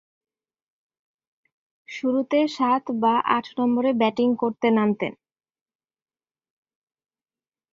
শুরুতে সাত বা আট নম্বরে ব্যাটিং করতে নামতেন।